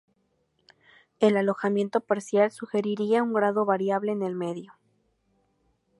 El alojamiento parcial sugeriría un grado variable en el medio.